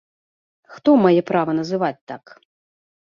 Хто мае права называць так?